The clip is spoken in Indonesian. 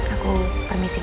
aku permisi ya